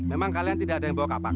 memang kalian tidak ada yang bawa kapan